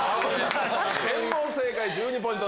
全問正解１２ポイント。